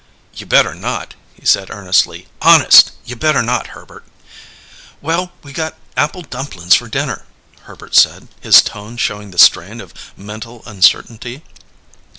"You better not," he said earnestly. "Honest, you better not, Herbert!" "Well, we got apple dumplings for dinner," Herbert said, his tone showing the strain of mental uncertainty.